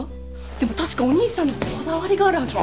でも確かお兄さんのこだわりがあるはずで。